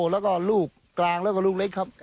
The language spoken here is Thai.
แล้วก็ลูกกลางแล้วก็ลูกเล็กครับ